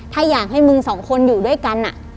ถ้าอยากให้มึงสองคนอยู่ด้วยกัน